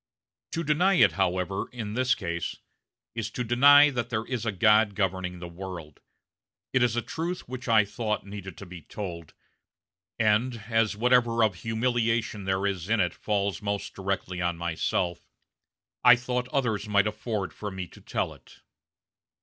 To deny it, however, in this case, is to deny that there is a God governing the world. It is a truth which I thought needed to be told, and, as whatever of humiliation there is in it falls most directly on myself, I thought others might afford for me to tell it."